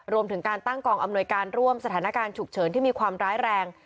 รวมถึงการตั้งกองอำนวยการร่วมสถานการณ์ฉุกเฉินที่มีความร้ายแรง